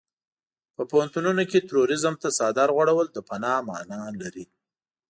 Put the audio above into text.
په پوهنتونونو کې تروريزم ته څادر غوړول د فناه مانا لري.